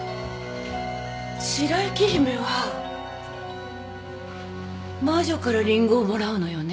白雪姫は魔女からリンゴをもらうのよね。